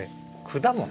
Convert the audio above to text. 果物！？